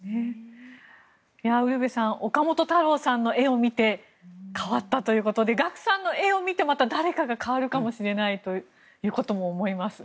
ウルヴェさん岡本太郎さんの絵を見て変わったということでＧＡＫＵさんの絵を見てまた誰かが変わるかもしれないということも思います。